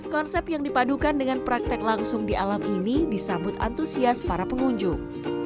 konsep yang dipadukan dengan praktek langsung di alam ini disambut antusias para pengunjung